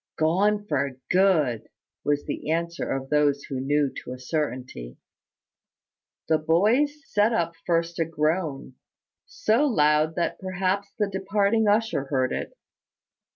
"Gone for good," was the answer of those who knew to a certainty. The boys set up first a groan, so loud that perhaps the departing usher heard it.